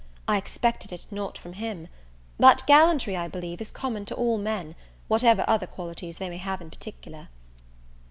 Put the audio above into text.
I expected it not from him; but gallantry, I believe, is common to all men, whatever other qualities they may have in particular.